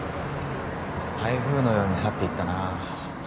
台風のように去っていったなあ